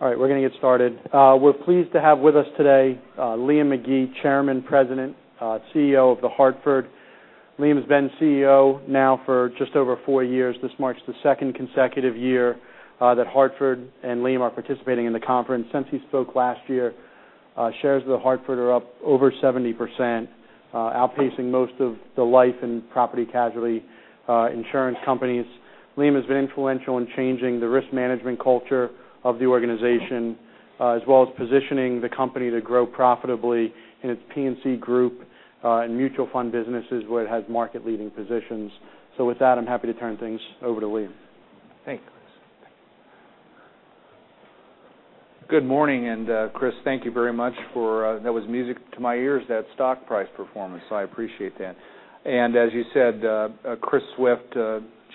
We're going to get started. We're pleased to have with us today Liam McGee, Chairman, President, CEO of The Hartford. Liam's been CEO now for just over four years. This marks the second consecutive year that The Hartford and Liam are participating in the conference. Since he spoke last year, shares of The Hartford are up over 70%, outpacing most of the life and property casualty insurance companies. Liam has been influential in changing the risk management culture of the organization, as well as positioning the company to grow profitably in its P&C group and mutual fund businesses, where it has market-leading positions. With that, I'm happy to turn things over to Liam. Thanks. Good morning. Chris, thank you very much. That was music to my ears, that stock price performance, so I appreciate that. As you said, Chris Swift,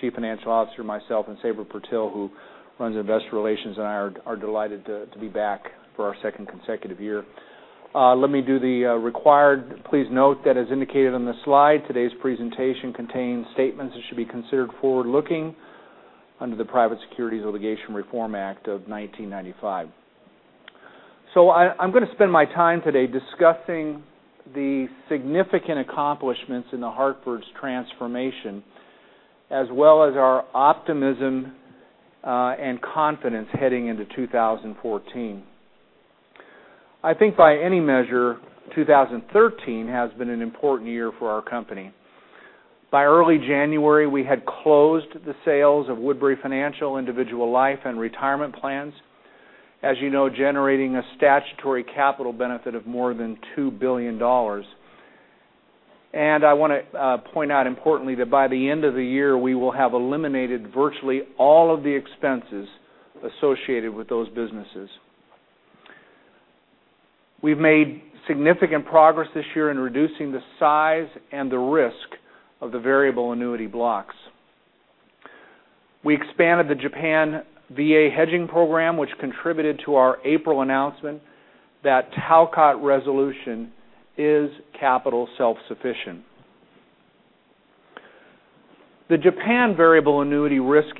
Chief Financial Officer, myself, and Sabra Purtill, who runs investor relations, and I are delighted to be back for our second consecutive year. Let me do the required please note that as indicated on the slide, today's presentation contains statements that should be considered forward-looking under the Private Securities Litigation Reform Act of 1995. I'm going to spend my time today discussing the significant accomplishments in The Hartford's transformation, as well as our optimism and confidence heading into 2014. I think by any measure, 2013 has been an important year for our company. By early January, we had closed the sales of Woodbury Financial individual life and retirement plans, as you know, generating a statutory capital benefit of more than $2 billion. I want to point out importantly, that by the end of the year, we will have eliminated virtually all of the expenses associated with those businesses. We've made significant progress this year in reducing the size and the risk of the variable annuity blocks. We expanded the Japan VA hedging program, which contributed to our April announcement that Talcott Resolution is capital self-sufficient. The Japan variable annuity risk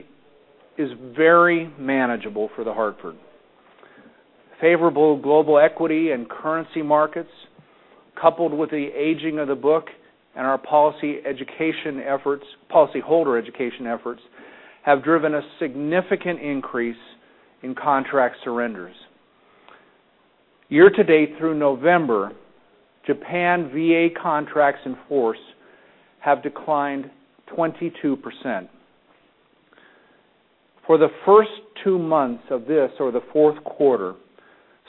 is very manageable for The Hartford. Favorable global equity and currency markets, coupled with the aging of the book and our policyholder education efforts, have driven a significant increase in contract surrenders. Year-to-date through November, Japan VA contracts in force have declined 22%. For the first two months of this or the fourth quarter,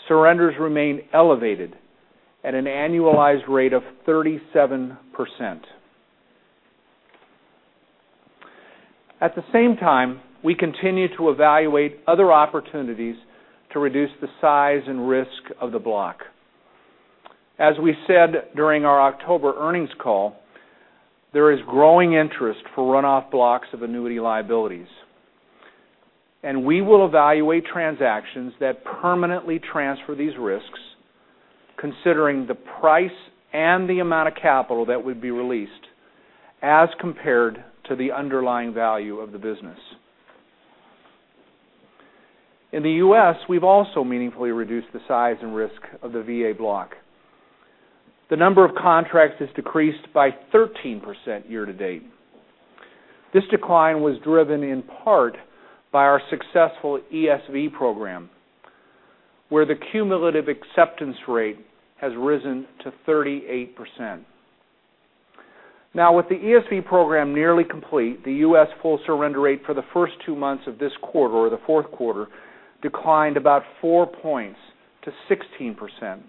surrenders remain elevated at an annualized rate of 37%. At the same time, we continue to evaluate other opportunities to reduce the size and risk of the block. As we said during our October earnings call, there is growing interest for runoff blocks of annuity liabilities, and we will evaluate transactions that permanently transfer these risks, considering the price and the amount of capital that would be released as compared to the underlying value of the business. In the U.S., we've also meaningfully reduced the size and risk of the VA block. The number of contracts has decreased by 13% year-to-date. This decline was driven in part by our successful ESV program, where the cumulative acceptance rate has risen to 38%. With the ESV program nearly complete, the U.S. full surrender rate for the first two months of this quarter or the fourth quarter declined about 4 points to 16%.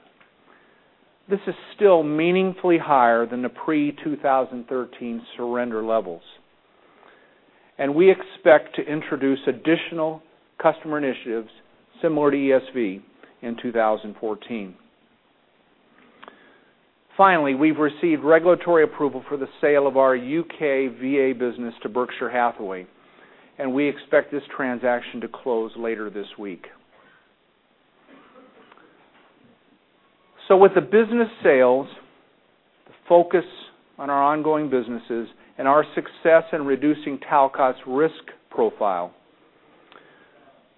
This is still meaningfully higher than the pre-2013 surrender levels, we expect to introduce additional customer initiatives similar to ESV in 2014. Finally, we've received regulatory approval for the sale of our U.K. VA business to Berkshire Hathaway, we expect this transaction to close later this week. With the business sales, the focus on our ongoing businesses, and our success in reducing Talcott's risk profile,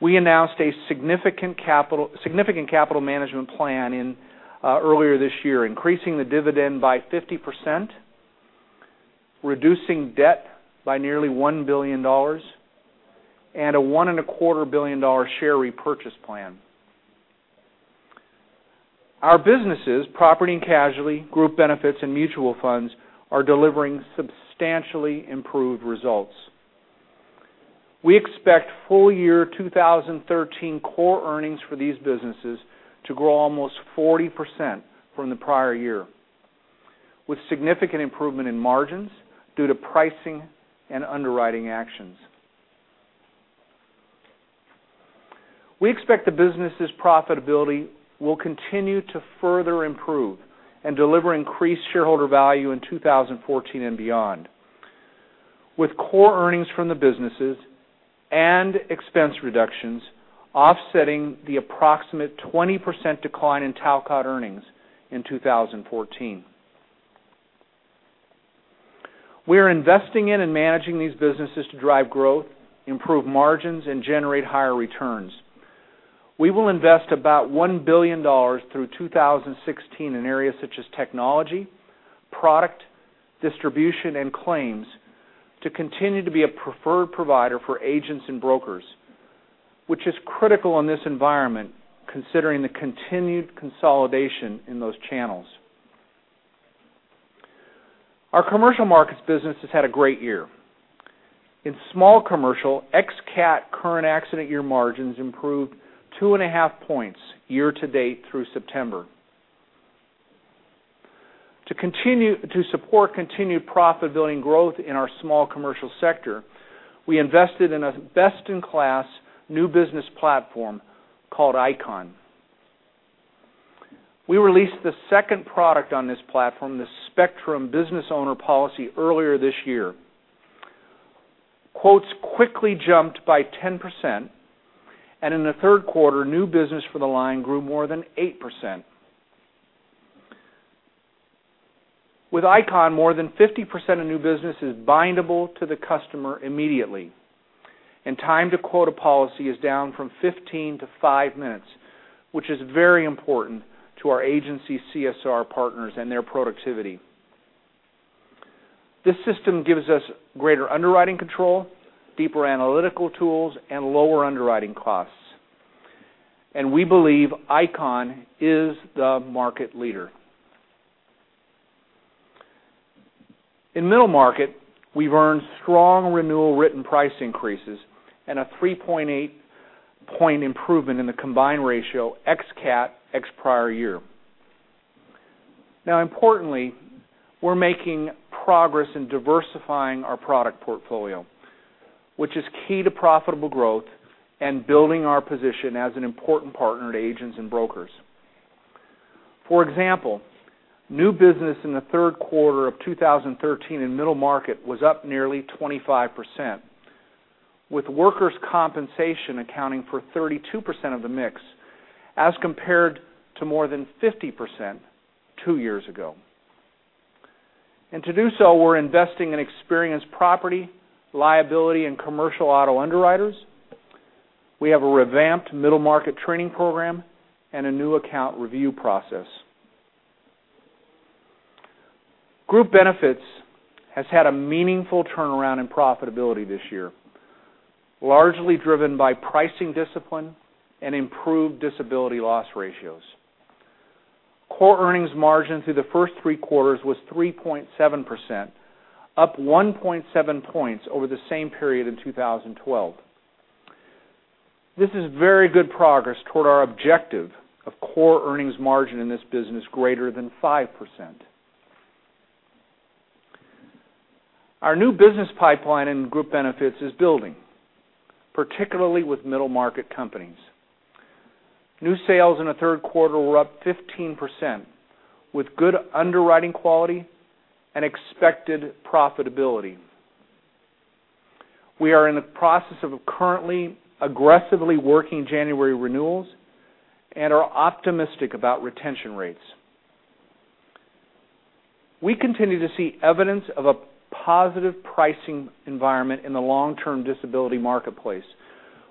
we announced a significant capital management plan earlier this year, increasing the dividend by 50%, reducing debt by nearly $1 billion, and a $1.25 billion share repurchase plan. Our businesses, property and casualty, Group Benefits, and Hartford Funds, are delivering substantially improved results. We expect full-year 2013 core earnings for these businesses to grow almost 40% from the prior year, with significant improvement in margins due to pricing and underwriting actions. We expect the business' profitability will continue to further improve and deliver increased shareholder value in 2014 and beyond. With core earnings from the businesses and expense reductions offsetting the approximate 20% decline in Talcott earnings in 2014. We are investing in and managing these businesses to drive growth, improve margins, and generate higher returns. We will invest about $1 billion through 2016 in areas such as technology, product, distribution, and claims to continue to be a preferred provider for agents and brokers, which is critical in this environment considering the continued consolidation in those channels. Our Commercial Markets business has had a great year. In small commercial, ex-CAT current accident year margins improved 2.5 points year to date through September. To support continued profitability and growth in our small commercial sector, we invested in a best-in-class new business platform called ICON. We released the 2nd product on this platform, the Spectrum Business Owner's Policy, earlier this year. Quotes quickly jumped by 10%, in the third quarter, new business for the line grew more than 8%. With ICON, more than 50% of new business is bindable to the customer immediately, and time to quote a policy is down from 15 to 5 minutes, which is very important to our agency CSR partners and their productivity. This system gives us greater underwriting control, deeper analytical tools, and lower underwriting costs. We believe ICON is the market leader. In middle market, we've earned strong renewal written price increases and a 3.8-point improvement in the combined ratio ex-CAT, ex-prior year. Importantly, we're making progress in diversifying our product portfolio, which is key to profitable growth and building our position as an important partner to agents and brokers. For example, new business in the third quarter of 2013 in middle market was up nearly 25%, with workers' compensation accounting for 32% of the mix as compared to more than 50% 2 years ago. To do so, we're investing in experienced property, liability, and commercial auto underwriters. We have a revamped middle market training program and a new account review process. Group Benefits has had a meaningful turnaround in profitability this year, largely driven by pricing discipline and improved disability loss ratios. Core earnings margin through the first three quarters was 3.7%, up 1.7 points over the same period in 2012. This is very good progress toward our objective of core earnings margin in this business greater than 5%. Our new business pipeline in Group Benefits is building, particularly with middle market companies. New sales in the third quarter were up 15%, with good underwriting quality and expected profitability. We are in the process of currently aggressively working January renewals and are optimistic about retention rates. We continue to see evidence of a positive pricing environment in the long-term disability marketplace,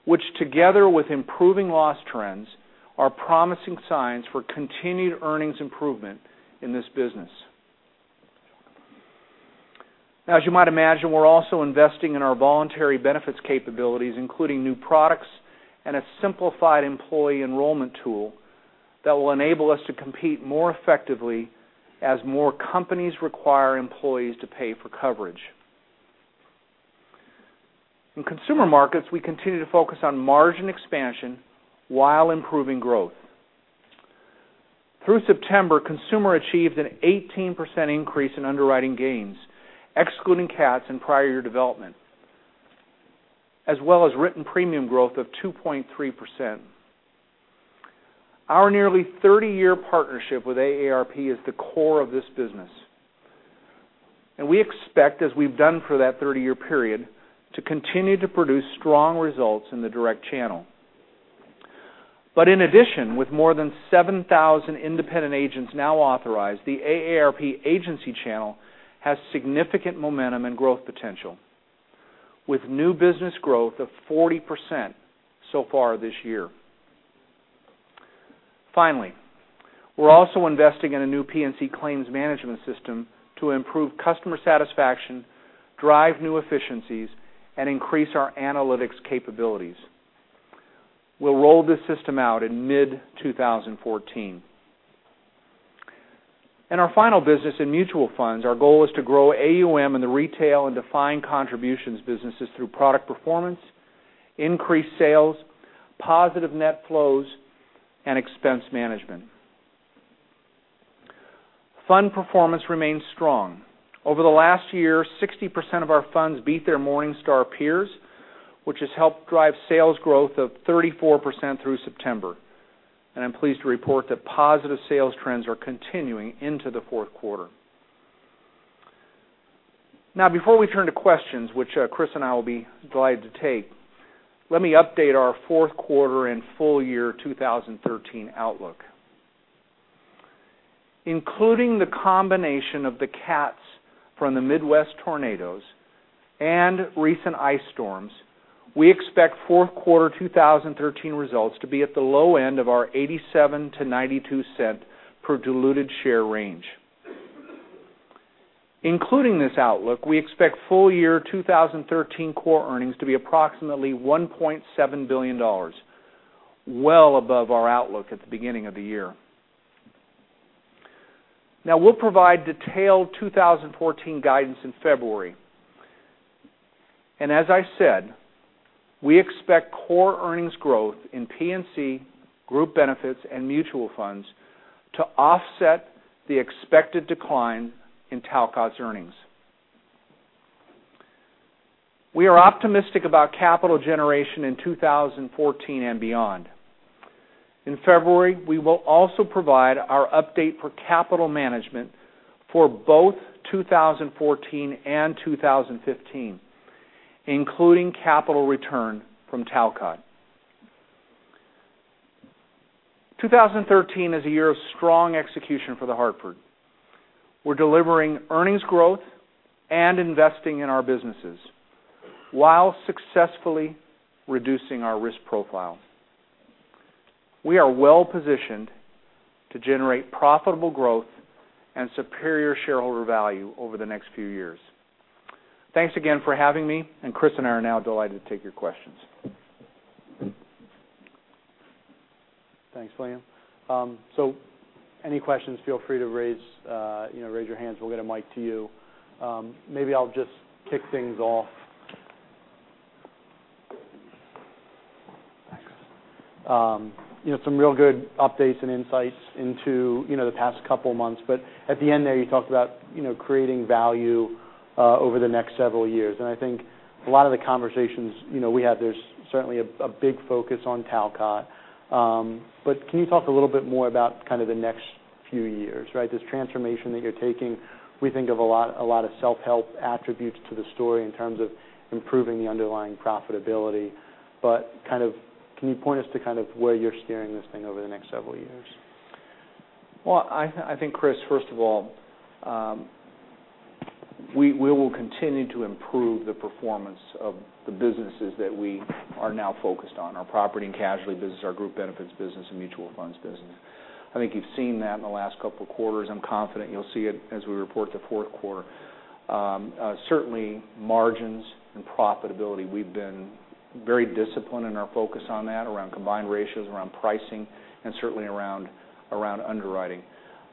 which together with improving loss trends, are promising signs for continued earnings improvement in this business. As you might imagine, we're also investing in our voluntary benefits capabilities, including new products and a simplified employee enrollment tool that will enable us to compete more effectively as more companies require employees to pay for coverage. In Consumer Markets, we continue to focus on margin expansion while improving growth. Through September, Consumer achieved an 18% increase in underwriting gains, excluding CATs and prior year development, as well as written premium growth of 2.3%. Our nearly 30-year partnership with AARP is the core of this business. We expect, as we've done for that 30-year period, to continue to produce strong results in the direct channel. In addition, with more than 7,000 independent agents now authorized, the AARP agency channel has significant momentum and growth potential, with new business growth of 40% so far this year. Finally, we're also investing in a new P&C claims management system to improve customer satisfaction, drive new efficiencies, and increase our analytics capabilities. We'll roll this system out in mid-2014. In our final business in Hartford Funds, our goal is to grow AUM in the retail and defined contributions businesses through product performance, increased sales, positive net flows, and expense management. Fund performance remains strong. Over the last year, 60% of our funds beat their Morningstar peers, which has helped drive sales growth of 34% through September. I'm pleased to report that positive sales trends are continuing into the fourth quarter. Before we turn to questions, which Chris and I will be delighted to take, let me update our fourth quarter and full year 2013 outlook. Including the combination of the CATs from the Midwest tornadoes and recent ice storms, we expect fourth quarter 2013 results to be at the low end of our $0.87-$0.92 per diluted share range. Including this outlook, we expect full year 2013 core earnings to be approximately $1.7 billion, well above our outlook at the beginning of the year. We'll provide detailed 2014 guidance in February, as I said, we expect core earnings growth in P&C, Group Benefits, and Hartford Funds to offset the expected decline in Talcott's earnings. We are optimistic about capital generation in 2014 and beyond. In February, we will also provide our update for capital management for both 2014 and 2015, including capital return from Talcott. 2013 is a year of strong execution for The Hartford. We're delivering earnings growth and investing in our businesses while successfully reducing our risk profile. We are well-positioned to generate profitable growth and superior shareholder value over the next few years. Thanks again for having me, Chris and I are now delighted to take your questions. Thanks, Liam. Any questions, feel free to raise your hands. We'll get a mic to you. Maybe I'll just kick things off. Thanks. Some real good updates and insights into the past couple of months. At the end there, you talked about creating value over the next several years, and I think a lot of the conversations we had, there's certainly a big focus on Talcott. Can you talk a little bit more about the next few years, right? This transformation that you're taking, we think of a lot of self-help attributes to the story in terms of improving the underlying profitability. Can you point us to where you're steering this thing over the next several years? Well, I think, Chris, first of all, we will continue to improve the performance of the businesses that we are now focused on, our property and casualty business, our Group Benefits business, and Hartford Funds business. I think you've seen that in the last couple of quarters. I'm confident you'll see it as we report the fourth quarter. Certainly, margins and profitability, we've been very disciplined in our focus on that, around combined ratio, around pricing, and certainly around underwriting.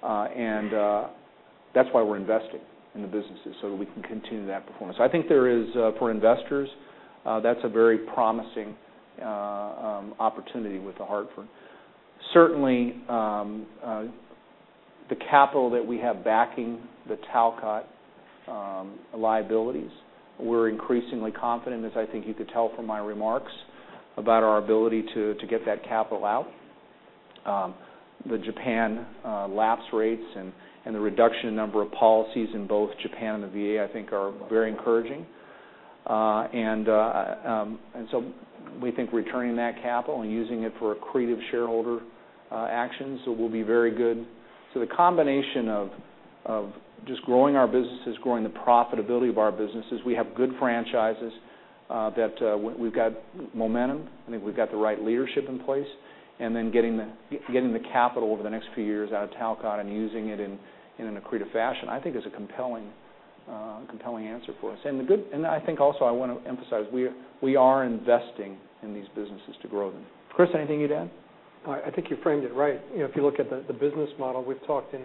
That's why we're investing in the businesses so that we can continue that performance. I think for investors, that's a very promising opportunity with The Hartford. Certainly, the capital that we have backing the Talcott liabilities, we're increasingly confident, as I think you could tell from my remarks, about our ability to get that capital out. The Japan lapse rates and the reduction in number of policies in both Japan and the VA, I think are very encouraging. We think returning that capital and using it for accretive shareholder actions will be very good. The combination of just growing our businesses, growing the profitability of our businesses. We have good franchises that we've got momentum. I think we've got the right leadership in place, and then getting the capital over the next few years out of Talcott and using it in an accretive fashion, I think is a compelling answer for us. I think also I want to emphasize, we are investing in these businesses to grow them. Chris, anything you'd add? I think you framed it right. If you look at the business model, we've talked in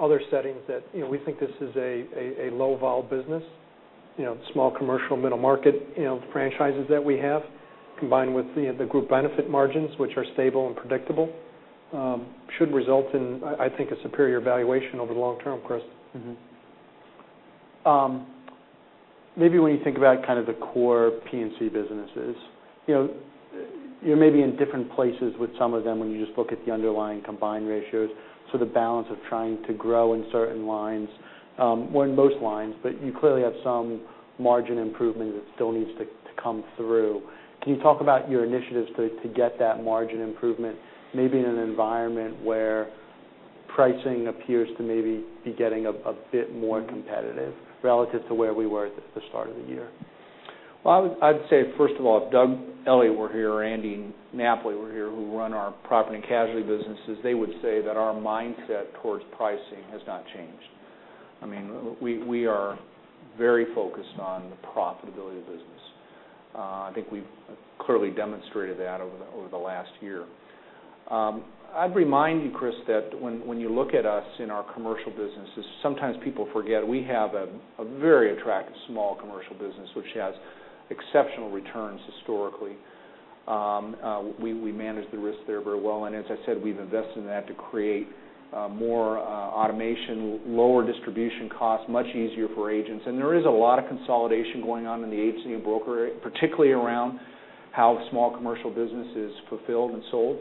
other settings that we think this is a low vol business. Small commercial, middle market franchises that we have, combined with the Group Benefits margins, which are stable and predictable, should result in, I think, a superior valuation over the long term, Chris. Maybe when you think about the core P&C businesses. You're maybe in different places with some of them when you just look at the underlying combined ratios. The balance of trying to grow in certain lines, well, in most lines, but you clearly have some margin improvement that still needs to come through. Can you talk about your initiatives to get that margin improvement? Maybe in an environment where pricing appears to maybe be getting a bit more competitive relative to where we were at the start of the year. Well, I'd say first of all, if Doug Elliot were here or Andy Napoli were here, who run our property and casualty businesses, they would say that our mindset towards pricing has not changed. We are very focused on the profitability of the business. I think we've clearly demonstrated that over the last year. I'd remind you, Chris, that when you look at us in our commercial businesses, sometimes people forget we have a very attractive small commercial business, which has exceptional returns historically. We manage the risk there very well. As I said, we've invested in that to create more automation, lower distribution costs, much easier for agents. There is a lot of consolidation going on in the agency and broker, particularly around how the small commercial business is fulfilled and sold.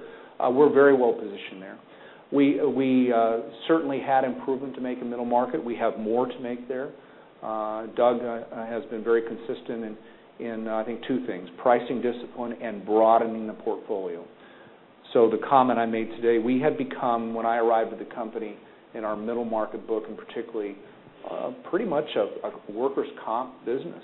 We're very well positioned there. We certainly had improvement to make in middle market. We have more to make there. Doug has been very consistent in, I think, two things: pricing discipline and broadening the portfolio. The comment I made today, we had become, when I arrived at the company, in our middle market book and particularly, pretty much a workers' comp business.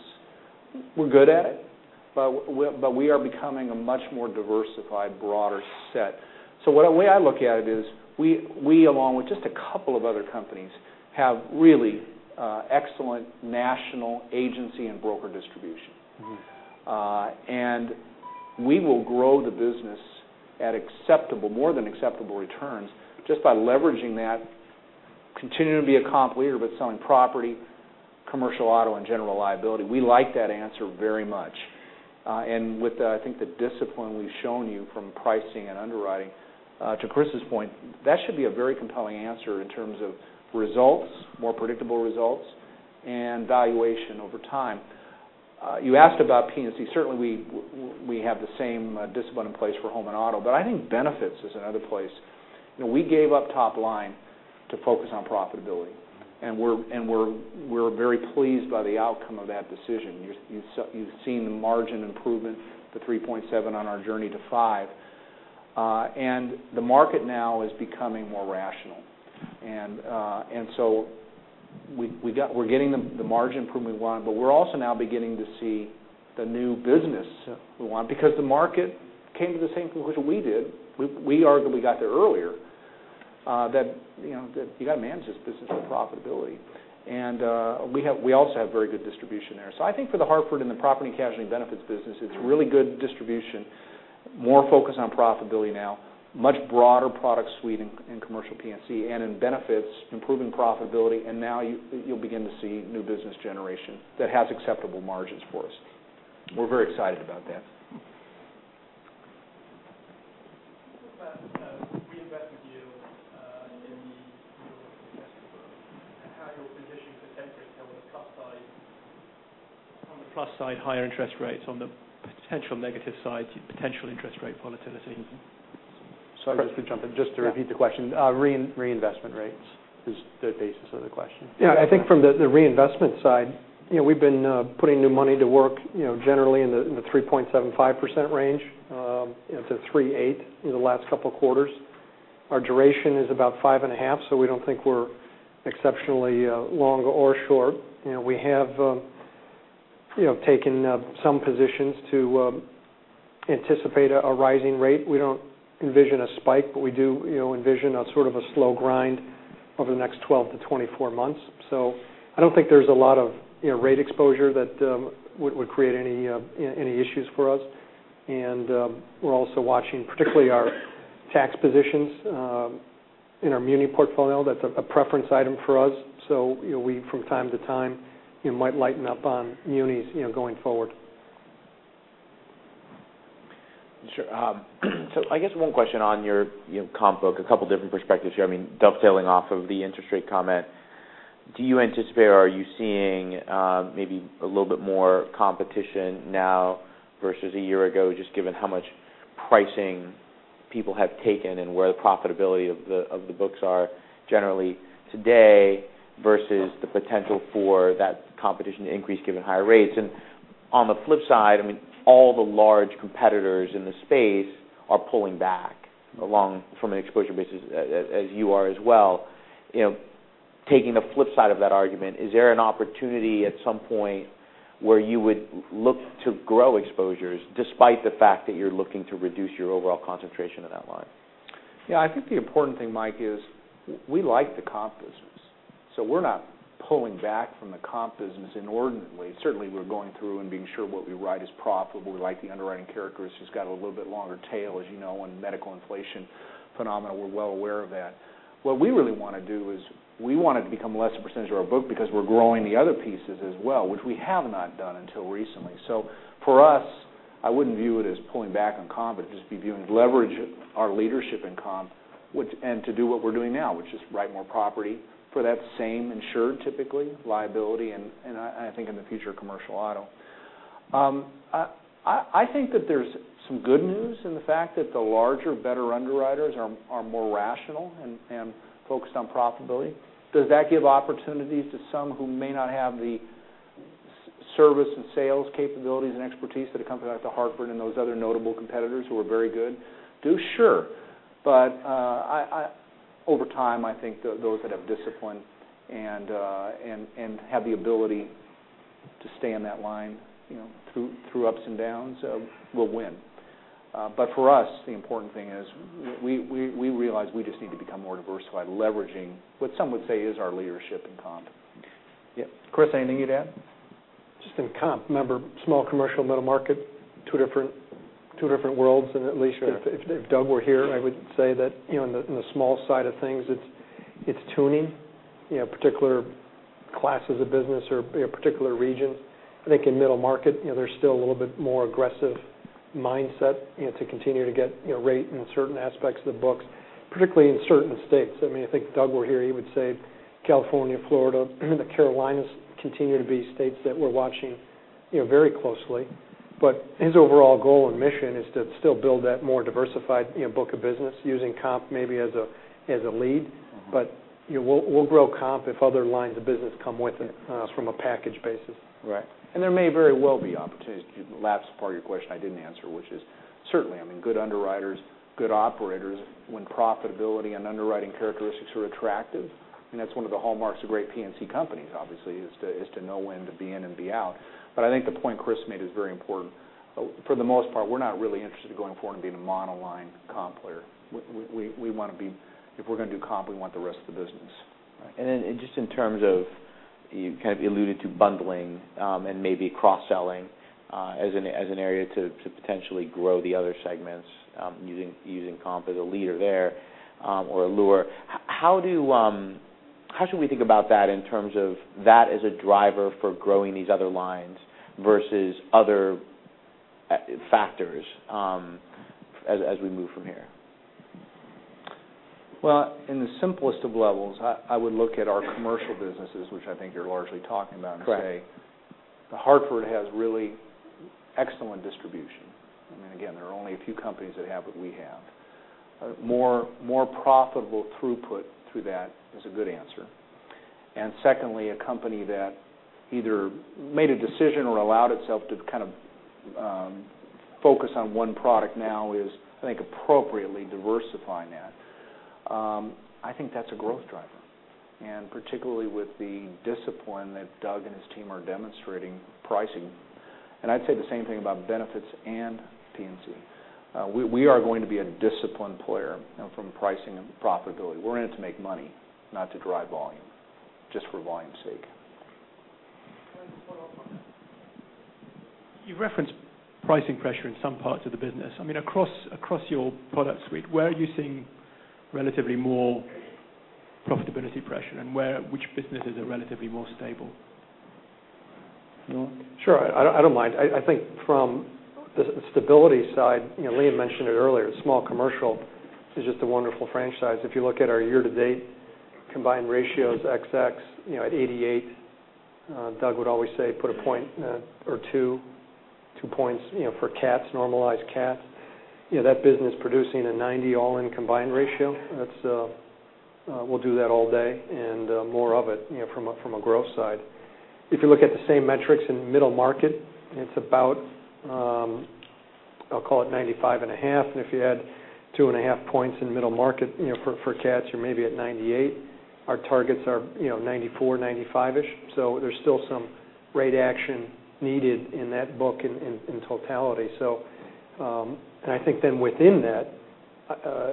We're good at it, but we are becoming a much more diversified, broader set. The way I look at it is we, along with just a couple of other companies, have really excellent national agency and broker distribution. We will grow the business at more than acceptable returns just by leveraging that, continuing to be a comp leader, selling property, commercial auto, and general liability. We like that answer very much. With, I think, the discipline we've shown you from pricing and underwriting, to Chris's point, that should be a very compelling answer in terms of results, more predictable results, and valuation over time. You asked about P&C. Certainly, we have the same discipline in place for home and auto, I think benefits is another place. We gave up top-line to focus on profitability, and we're very pleased by the outcome of that decision. You've seen the margin improvement to 3.7 on our journey to 5. The market now is becoming more rational. We're getting the margin improvement we want, we're also now beginning to see the new business we want because the market came to the same conclusion we did. We arguably got there earlier, that you've got to manage this business with profitability. We also have very good distribution there. I think for The Hartford and the property casualty benefits business, it's really good distribution, more focused on profitability now, much broader product suite in commercial P&C, and in benefits, improving profitability, and now you'll begin to see new business generation that has acceptable margins for us. We're very excited about that. Can you talk about reinvestment yields in your investment book and how you're positioned for [temp here] on the plus side, higher interest rates, on the potential negative side, potential interest rate volatility? Sorry, Chris, to jump in. Just to repeat the question, reinvestment rates is the basis of the question. Yeah. I think from the reinvestment side, we've been putting new money to work generally in the 3.75% range to 3.8% in the last couple of quarters. Our duration is about five and a half, so we don't think we're exceptionally long or short. We have taken some positions to anticipate a rising rate. We don't envision a spike, but we do envision a sort of a slow grind over the next 12 to 24 months. I don't think there's a lot of rate exposure that would create any issues for us. We're also watching particularly our tax positions in our muni portfolio. That's a preference item for us. We, from time to time, might lighten up on munis going forward. Sure. I guess one question on your comp book, a couple different perspectives here. Dovetailing off of the interest rate comment, do you anticipate, are you seeing maybe a little bit more competition now versus a year ago, just given how much pricing people have taken and where the profitability of the books are generally today versus the potential for that competition to increase given higher rates? On the flip side, all the large competitors in the space are pulling back from an exposure basis, as you are as well. Taking the flip side of that argument, is there an opportunity at some point where you would look to grow exposures despite the fact that you're looking to reduce your overall concentration in that line? I think the important thing, Mike, is we like the comp business, we're not pulling back from the comp business inordinately. Certainly, we're going through and being sure what we write is profitable. We like the underwriting characteristics, got a little bit longer tail, as you know, and medical inflation phenomena. We're well aware of that. What we really want to do is we want it to become less a percentage of our book because we're growing the other pieces as well, which we have not done until recently. For us, I wouldn't view it as pulling back on comp, but just be viewing leverage our leadership in comp and to do what we're doing now, which is write more property for that same insured, typically, liability, and I think in the future, commercial auto. I think that there's some good news in the fact that the larger, better underwriters are more rational and focused on profitability. Does that give opportunities to some who may not have the service and sales capabilities and expertise that a company like The Hartford and those other notable competitors who are very good do? Sure. Over time, I think those that have discipline and have the ability to stay in that line through ups and downs will win. For us, the important thing is we realize we just need to become more diversified, leveraging what some would say is our leadership in comp. Chris, anything you'd add? Just in comp, remember, small commercial, middle market, two different worlds. Sure. At least if Doug were here, I would say that in the small side of things, it's tuning particular classes of business or particular regions. I think in middle market, there's still a little bit more aggressive mindset to continue to get rate in certain aspects of the books, particularly in certain states. I think if Doug were here, he would say California, Florida, the Carolinas continue to be states that we're watching very closely. His overall goal and mission is to still build that more diversified book of business using comp maybe as a lead. We'll grow comp if other lines of business come with it from a package basis. Right. There may very well be opportunities. The last part of your question I didn't answer, which is certainly, good underwriters, good operators, when profitability and underwriting characteristics are attractive, and that's one of the hallmarks of great P&C companies, obviously, is to know when to be in and be out. I think the point Chris made is very important. For the most part, we're not really interested in going forward and being a monoline comp player. If we're going to do comp, we want the rest of the business. Right. Just in terms of, you kind of alluded to bundling and maybe cross-selling as an area to potentially grow the other segments using comp as a leader there or a lure. How should we think about that in terms of that as a driver for growing these other lines versus other factors as we move from here? Well, in the simplest of levels, I would look at our commercial businesses, which I think you're largely talking about and say. Correct The Hartford has really excellent distribution. I mean, again, there are only a few companies that have what we have. More profitable throughput through that is a good answer. Secondly, a company that either made a decision or allowed itself to kind of focus on one product now is, I think, appropriately diversifying that. I think that's a growth driver, and particularly with the discipline that Doug and his team are demonstrating pricing. I'd say the same thing about benefits and P&C. We are going to be a disciplined player from pricing and profitability. We're in it to make money, not to drive volume just for volume's sake. I'd like to follow up on that. You referenced pricing pressure in some parts of the business. I mean, across your product suite, where are you seeing relatively more profitability pressure and which businesses are relatively more stable? You want it? Sure. I don't mind. From the stability side, Liam mentioned it earlier, small commercial is just a wonderful franchise. If you look at our year-to-date combined ratios, XX at 88, Doug would always say put a point or 2 points for CATs, normalized CAT. That business producing a 90 all-in combined ratio, we'll do that all day and more of it from a growth side. If you look at the same metrics in middle market, it's about, I'll call it 95.5. If you add 2.5 points in the middle market for CATs, you're maybe at 98. Our targets are 94, 95-ish. There's still some rate action needed in that book in totality. Within that,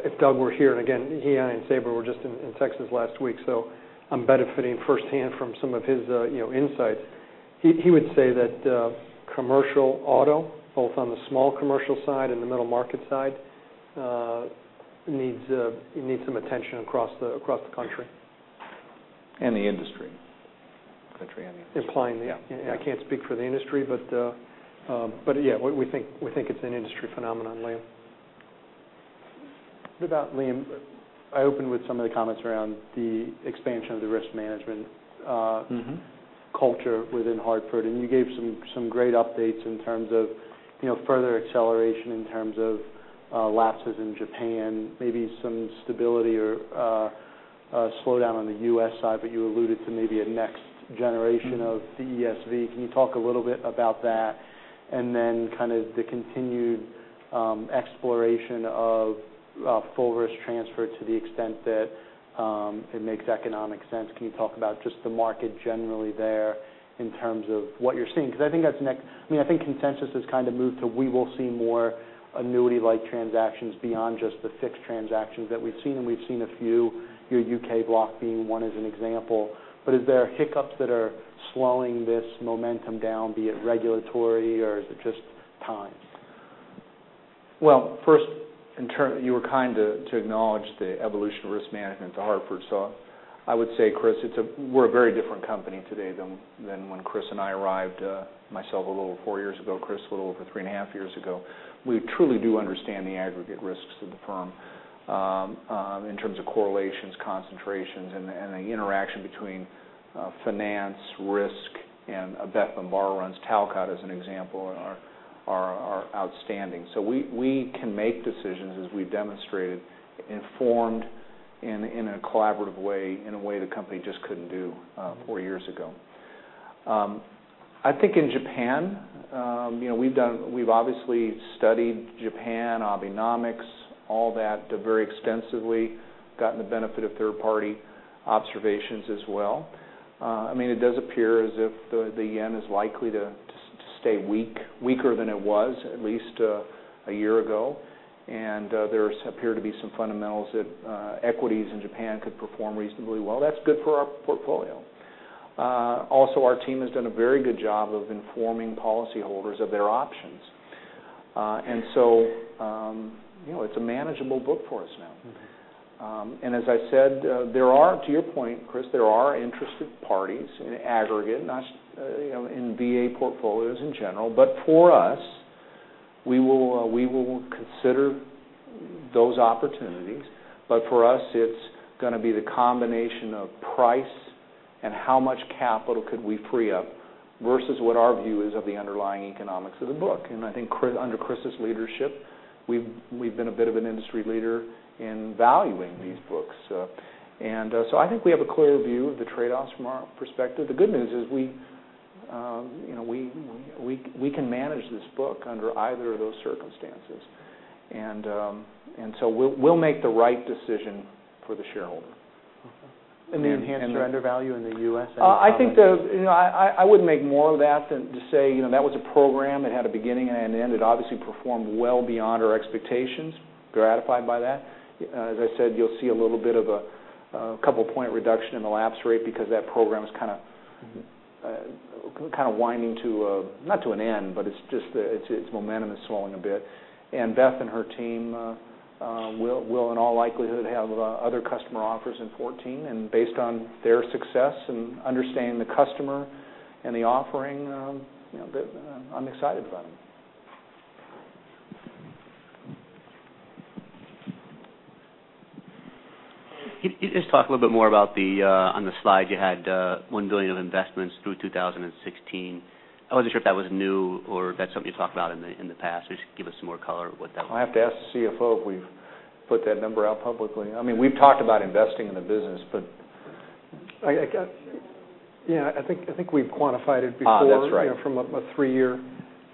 if Doug were here, and again, he and I and Sabra were just in Texas last week, I'm benefiting firsthand from some of his insights. He would say that commercial auto, both on the small commercial side and the middle market side needs some attention across the country. The industry. Country and the industry. Implying the- Yeah I can't speak for the industry, yeah, we think it's an industry phenomenon, Liam. What about, Liam, I opened with some of the comments around the expansion of the risk management- culture within Hartford, and you gave some great updates in terms of further acceleration, in terms of lapses in Japan, maybe some stability or slowdown on the U.S. side, you alluded to maybe a next generation of the ESV. Can you talk a little bit about that? And then kind of the continued exploration of full risk transfer to the extent that it makes economic sense. Can you talk about just the market generally there in terms of what you're seeing? Because I think consensus has kind of moved to we will see more annuity-like transactions beyond just the fixed transactions that we've seen, and we've seen a few, your U.K. block being one as an example. Is there hiccups that are slowing this momentum down, be it regulatory, or is it just time? Well, first, you were kind to acknowledge the evolution of risk management to The Hartford. I would say, Chris, we're a very different company today than when Chris and I arrived, myself a little over four years ago, Chris, a little over three and a half years ago. We truly do understand the aggregate risks to the firm, in terms of correlations, concentrations, and the interaction between finance, risk, and Beth Bombara runs Talcott, as an example, are outstanding. We can make decisions, as we've demonstrated, informed and in a collaborative way, in a way the company just couldn't do four years ago. I think in Japan, we've obviously studied Japan, Abenomics, all that very extensively, gotten the benefit of third-party observations as well. I mean, it does appear as if the yen is likely to stay weaker than it was at least a year ago, and there appear to be some fundamentals that equities in Japan could perform reasonably well. That's good for our portfolio. Also, our team has done a very good job of informing policyholders of their options. It's a manageable book for us now. As I said, to your point, Chris, there are interested parties in aggregate, in VA portfolios in general. For us, we will consider those opportunities, but for us, it's going to be the combination of price and how much capital could we free up versus what our view is of the underlying economics of the book. I think under Chris' leadership, we've been a bit of an industry leader in valuing these books. I think we have a clear view of the trade-offs from our perspective. The good news is we can manage this book under either of those circumstances. We'll make the right decision for the shareholder. Okay. The Enhanced Surrender Value in the U.S. and- I think I wouldn't make more of that than to say, that was a program. It had a beginning and an end. It obviously performed well beyond our expectations. Gratified by that. As I said, you'll see a little bit of a couple point reduction in the lapse rate because that program is kind of winding to, not to an end, but its momentum is slowing a bit. Beth and her team will, in all likelihood, have other customer offers in 2014. Based on their success and understanding the customer and the offering, I'm excited about it. Can you just talk a little bit more about on the slide you had $1 billion of investments through 2016. I wasn't sure if that was new or if that's something you talked about in the past. Just give us some more color what that. I'll have to ask the CFO if we've put that number out publicly. I mean, we've talked about investing in the business, but. Yeah, I think we've quantified it before. That's right from a three-year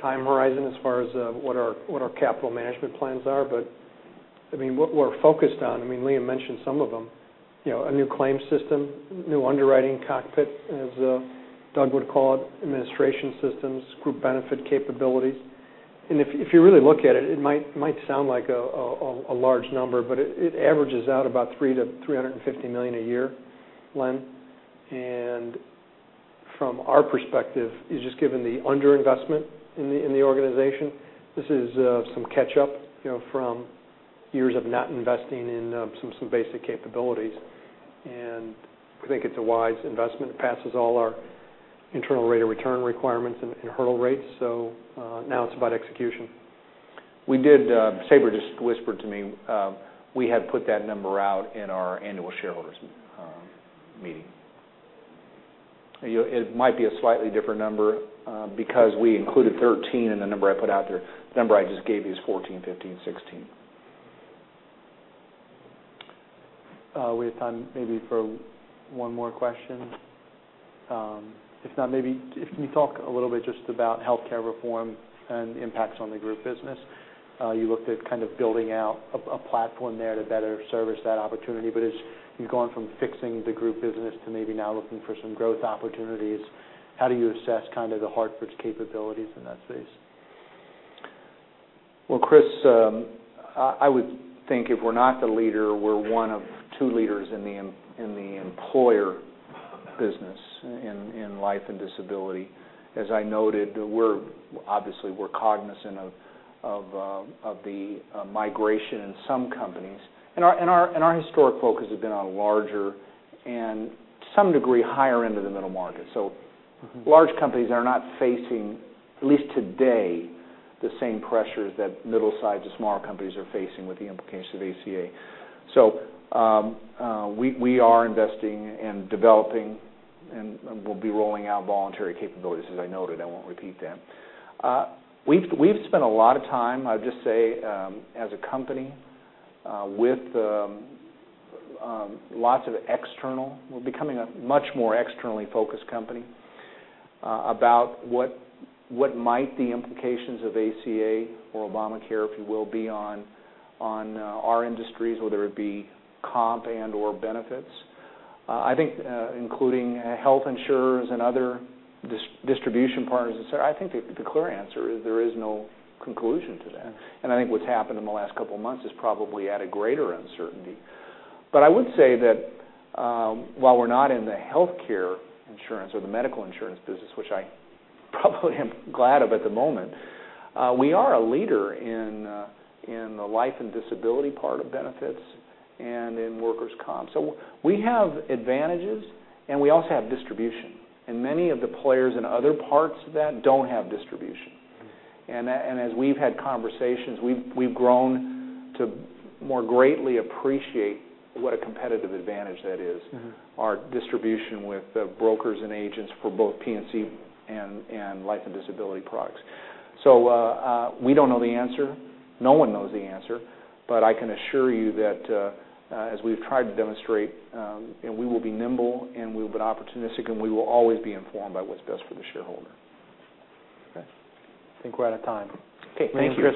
time horizon as far as what our capital management plans are. What we're focused on, I mean, Liam mentioned some of them, a new claims system, new underwriting cockpit, as Doug would call it, administration systems, Group Benefits capabilities. If you really look at it might sound like a large number, but it averages out about $300 million-$350 million a year, Len. From our perspective, is just given the underinvestment in the organization, this is some catch-up from years of not investing in some basic capabilities, and I think it's a wise investment. It passes all our internal rate of return requirements and hurdle rates, now it's about execution. Sabra just whispered to me, we had put that number out in our annual shareholders meeting. It might be a slightly different number, because we included 2013 in the number I put out there. The number I just gave you is 2014, 2015, 2016. We have time maybe for one more question. If not, maybe can you talk a little bit just about healthcare reform and the impacts on the Group Benefits? You looked at kind of building out a platform there to better service that opportunity, but as you've gone from fixing the Group Benefits to maybe now looking for some growth opportunities, how do you assess kind of The Hartford's capabilities in that space? Well, Chris, I would think if we're not the leader, we're one of two leaders in the employer business in life and disability. As I noted, obviously we're cognizant of the migration in some companies, and our historic focus had been on larger and, to some degree, higher end of the middle market. Large companies are not facing, at least today, the same pressures that middle-sized to smaller companies are facing with the implications of ACA. We are investing and developing, and we'll be rolling out voluntary capabilities, as I noted. I won't repeat them. We've spent a lot of time, I would just say, as a company. We're becoming a much more externally focused company about what might the implications of ACA or Obamacare, if you will, be on our industries, whether it be comp and/or benefits. I think including health insurers and other distribution partners, et cetera, I think the clear answer is there is no conclusion to that. I think what's happened in the last couple of months has probably added greater uncertainty. I would say that while we're not in the healthcare insurance or the medical insurance business, which I probably am glad of at the moment, we are a leader in the life and disability part of benefits and in workers' comp. We have advantages, and we also have distribution, and many of the players in other parts of that don't have distribution. As we've had conversations, we've grown to more greatly appreciate what a competitive advantage that is, our distribution with brokers and agents for both P&C and life and disability products. We don't know the answer. No one knows the answer. I can assure you that as we've tried to demonstrate, and we will be nimble, and we will be opportunistic, and we will always be informed by what's best for the shareholder. Okay, I think we're out of time. Okay. Thank you. Thank you, Chris.